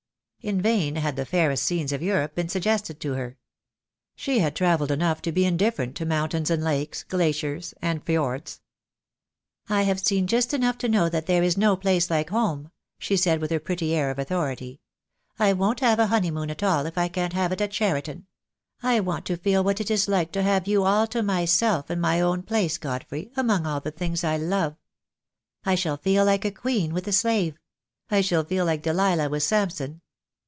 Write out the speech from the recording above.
In vain had the fairest scenes of Europe been suggested to her. She had travelled enough to be indifferent to mountains and lakes, glaciers, and fjords. "I have seen just enough to know that there is no place like home," she said, with her pretty air of authority. "I won't have a honeymoon at all if I can't have it at Cheriton. I want to feel what it is like to have you all to myself in my own place, Godfrey, among all the things I love. I shall feel like a queen with a slave; I shall feel like Delilah with Samson.